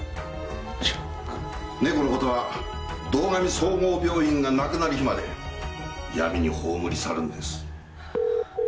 ネコの事は堂上総合病院がなくなる日まで闇に葬り去るんです。